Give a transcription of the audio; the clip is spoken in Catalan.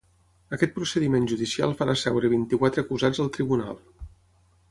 Aquest procediment judicial farà seure vint-i-quatre acusats al tribunal.